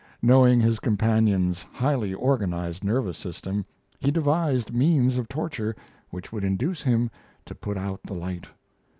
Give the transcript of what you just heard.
Knowing his companion's highly organized nervous system he devised means of torture which would induce him to put out the light.